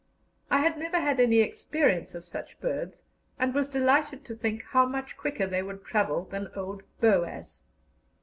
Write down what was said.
I had never had any experience of such birds, and was delighted to think how much quicker they would travel than old Boaz.